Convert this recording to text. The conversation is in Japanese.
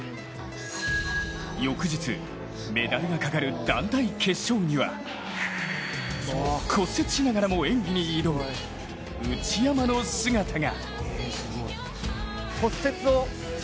翌日、メダルがかかる団体決勝には骨折しながらも演技に挑む内山の姿が。